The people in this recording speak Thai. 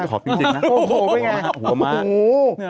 หอมจริงนะโอ้โฮว่าไง